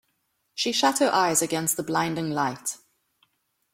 She shut her eyes against the blinding light.